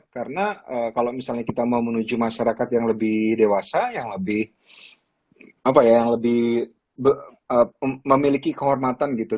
karena kalau misalnya kita mau menuju masyarakat yang lebih dewasa yang lebih memiliki kehormatan gitu